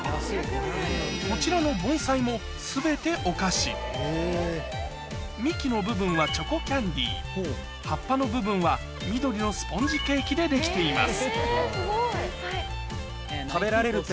こちらの盆栽も全てお菓子幹の部分は葉っぱの部分は緑のスポンジケーキでできています